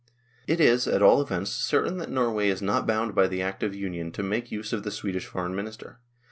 It is, at all events, certain that Norway is not bound by the Act of Union to make use of the Swedish Foreign Minister.